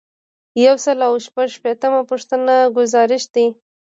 یو سل او شپږ شپیتمه پوښتنه ګزارش دی.